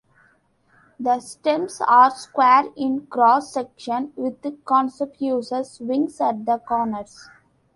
The stems are square in cross section, with conspicuous wings at the corners.